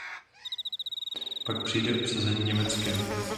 Pak přijde obsazení Německem.